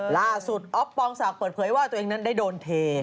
ล่าสุดอ๊อฟปองสาวเปิดเผยว่าตัวเองนั้นได้โดนเท